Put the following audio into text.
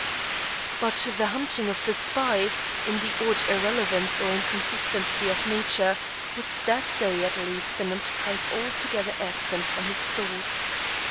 But the hunting of the spy, in the odd irrelevance or inconsistency of nature, was that day at least an enterprise altogether absent from his thoughts.